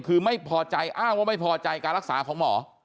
คือไม่พอใจอ้างว่าไม่พอใจการรักษาของหมอ